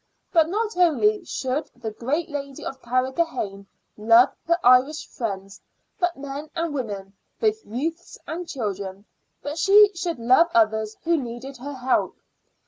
But not only should the great lady of Carrigrohane love her Irish friends, but men and women, both youths and children, but she should love others who needed her help.